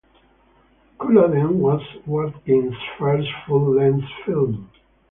"Culloden" was Watkins's first full-length film.